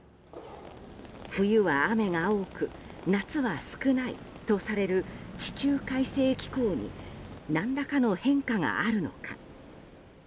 冬は雨が多く夏は少ないとされる地中海性気候に何らかの変化があるのか。